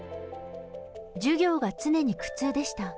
授業が常に苦痛でした。